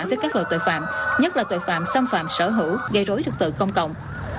với các loại tội phạm nhất là tội phạm xâm phạm sở hữu gây rối trực tự công cộng